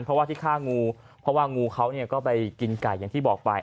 เพราะว่าที่ฆ่างูเพราะว่างูเขาก็ไปกินไก่อย่างที่บอกไป